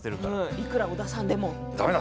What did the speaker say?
いくら織田さんでも。